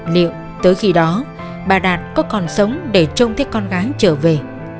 liệu tới khi đó bà đạt có còn sống để trông thích con gái trở về